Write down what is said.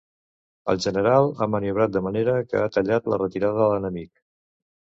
El general ha maniobrat de manera que ha tallat la retirada a l'enemic.